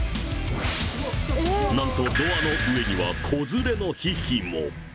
なんと、ドアの上には子連れのヒヒも。